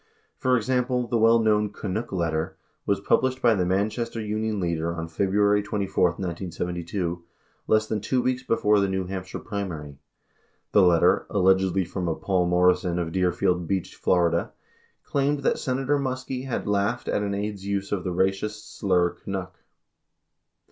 For example, the well known "Canuck Letter" was pub lished by the Manchester Union Leader on February 24, 1972, less than 2 weeks before the New Hampshire primary. 94 The letter, allegedly from a "Paul Morrison" of Deerfield Beach, Fla., claimed that Senator Muskie had laughed at an aide's use of the racist slur "Canuck."